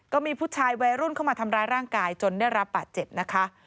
ก็มีผู้ชายวัยรุ่นเข้ามาทำร้ายร่างกายจนได้รับบาดเจ็บนะคะ